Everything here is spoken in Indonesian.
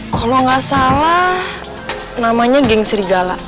kalau nggak salah namanya geng serigala